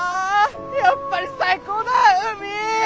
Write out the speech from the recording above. やっぱり最高だ海！